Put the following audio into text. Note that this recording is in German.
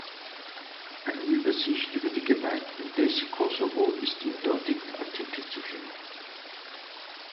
Eine Übersicht über die Gemeinden des Kosovo ist im dortigen Artikel zu finden.